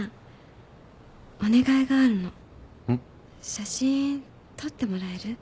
写真撮ってもらえる？